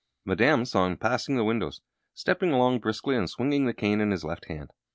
Madame saw him passing the windows, stepping along briskly and swinging the cane in his left hand.